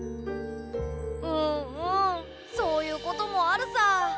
うんうんそういうこともあるさ。